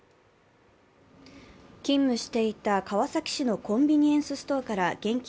勤務していた川崎市のコンビニエンスストアから現金